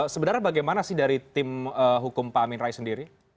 sebenarnya bagaimana sih dari tim hukum pak amin rais sendiri